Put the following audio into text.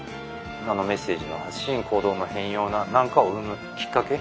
あのメッセージの発信行動の変容なんかを生むきっかけ。